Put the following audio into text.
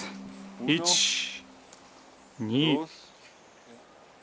１２。